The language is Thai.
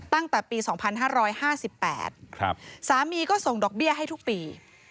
ตั้งแต่ปีสองพันห้าร้อยห้าสิบแปดครับสามีก็ส่งดอกเบี้ยให้ทุกปี